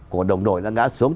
của đồng đội đã ngã xuống